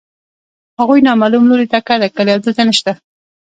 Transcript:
هغوی نامعلوم لوري ته کډه کړې او دلته نشته